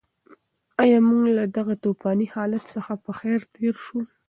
ایا موږ له دغه توپاني حالت څخه په خیر تېر شوو؟